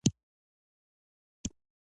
هندوکش د اقلیمي نظام یو ښکارندوی دی.